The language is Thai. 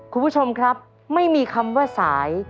คุณผู้ชมครับไม่มีคำว่าสาย